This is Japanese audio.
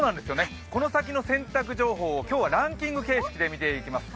この先の洗濯情報を今日はランキング形式で見ていきます。